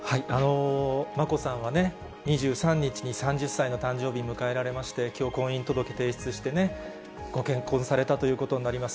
眞子さんはね、２３日に３０歳の誕生日を迎えられまして、きょう、婚姻届提出してね、ご結婚されたということになります。